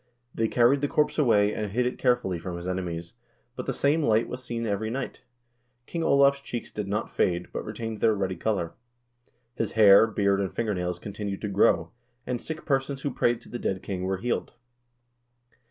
They carried the corpse away, and hid it care fully from his enemies, but the same light was seen every night. King Olav's cheeks did not fade, but retained their ruddy color. His hair, beard, and fingernails continued to grow, and sick persons who prayed to the dead king were healed.